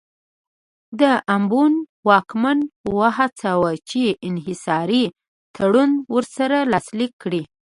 د امبون واکمن وهڅاوه چې انحصاري تړون ورسره لاسلیک کړي.